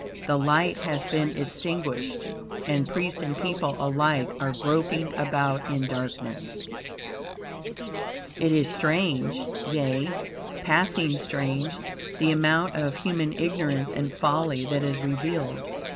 The light has been extinguished, and priest and people alike are groping about in darkness. It is strange, yea, passing strange, the amount of human ignorance and folly that is revealed.